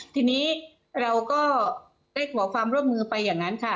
ทีนี้เราก็ได้ขอความร่วมมือไปอย่างนั้นค่ะ